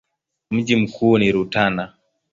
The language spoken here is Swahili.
Mji mkuu ni Rutana.